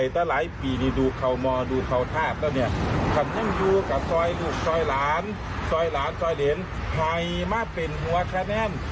ทั้งอยู่กับซอยลูกซอยหลานซอยหลานซอยเหล็นใครมาเป็นหัวคะแน่น